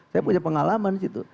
saya punya pengalaman